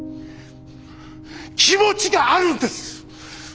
気持ちがあるんです！